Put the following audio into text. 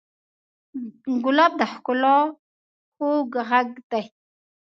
ګلاب د ښکلا خوږ غږ دی.